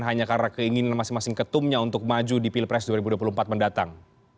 hanya karena keinginan masing masing ketumnya untuk maju di pilpres dua ribu dua puluh empat mendatang